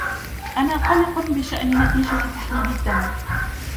أنا قلق بشأن نتيجة تحليل الدم.